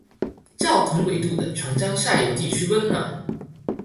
較同緯度的長江下游地區溫暖